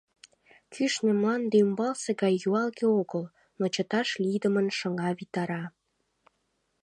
Кӱшнӧ мланде ӱмбалсе гай юалге огыл, но чыташ лийдымын шыҥа витара.